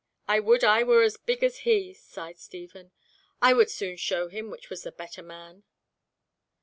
"I would I were as big as he," sighed Stephen, "I would soon show him which was the better man."